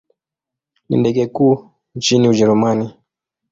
Ni ndege kuu nchini Ujerumani.